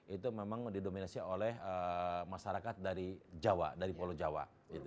itu memang didominasi oleh masyarakat dari jawa dari pulau jawa